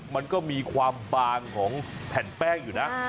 มันก็มีความบางของแผ่นแป้งอยู่นะ